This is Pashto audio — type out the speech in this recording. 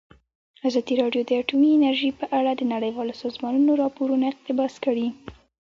ازادي راډیو د اټومي انرژي په اړه د نړیوالو سازمانونو راپورونه اقتباس کړي.